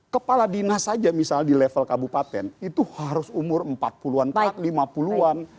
kepala dinas saja misalnya di level kabupaten itu harus umur empat puluh an lima puluh an